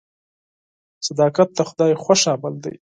صداقت د خدای خوښ عمل دی.